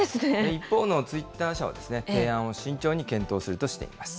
一方のツイッター社は、提案を慎重に検討するとしています。